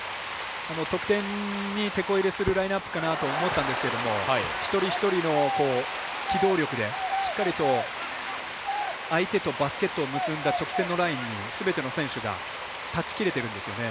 得点に、てこ入れするラインナップかなと思ったんですけども一人一人の機動力でしっかりと、相手とバスケットを結んだ直線のラインにすべての選手がたち切れているんですよね。